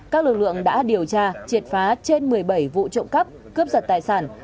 các lực lượng đã điều tra triệt phá trên một mươi bảy vụ trộm cắp cướp giật tài sản